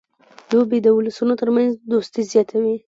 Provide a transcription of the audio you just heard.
لوبې د اولسونو ترمنځ دوستي زیاتوي.